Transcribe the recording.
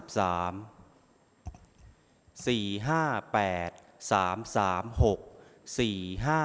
ออกรางวัลที่๖